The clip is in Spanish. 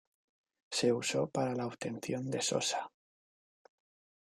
Se usó para la obtención de sosa.